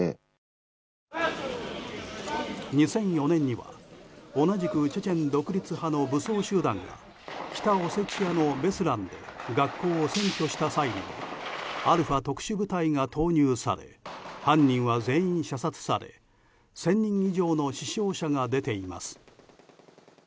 ２００４年には、同じくチェチェン独立派の武装集団が北オセチアのベスランで学校を占拠した際にアルファ特殊部隊が投入され犯人は全員射殺され１０００人以上の死傷者が出ています。